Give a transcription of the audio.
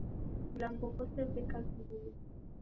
Vilambo vose veka vilue.